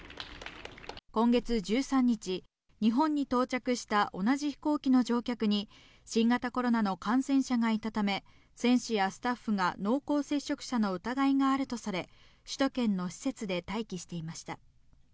今月１３日、日本に到着した同じ飛行機の乗客に、新型コロナの感染者がいたため、選手やスタッフが濃厚接触者の疑いがあるとされ、首都圏の施設で待機していました。